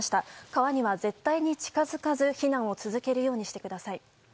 川には絶対に近づかず避難を続けるようにしてください。